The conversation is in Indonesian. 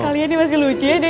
kalian ini masih lucu deh